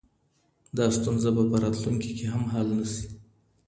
دا ستونزه به په راتلونکي کي هم حل نه سي.